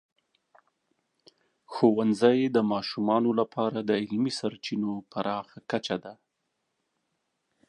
ښوونځی د ماشومانو لپاره د علمي سرچینو پراخه کچه ده.